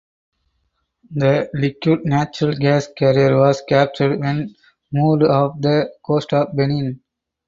The liquid natural gas carrier was captured when moored off the coast of Benin.